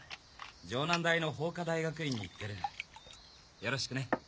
上南大の法科大学院に行ってるよろしくね。